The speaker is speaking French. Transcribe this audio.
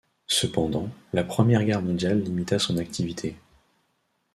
Cependant, la Première Guerre mondiale limita son activité.